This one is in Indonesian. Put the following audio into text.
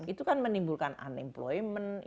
itu kan menimbulkan unemployment